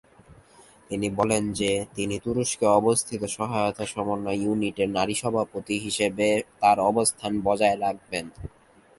তিনি বলেন যে, তিনি তুরস্কে অবস্থিত সহায়তা সমন্বয় ইউনিটের নারী সভাপতি হিসাবে তার অবস্থান বজায় রাখবেন।